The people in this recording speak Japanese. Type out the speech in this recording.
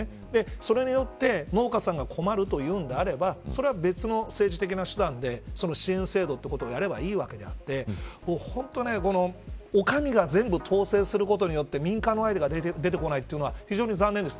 それによって農家さんが困るというのであればそれは別の政治的な手段で支援制度をやればいいわけであってお上が全部統制することによって民間のアイデアが出てこないというのは非常に残念です。